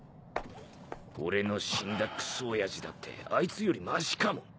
俺の死んだクソ親父だってあいつよりましかも。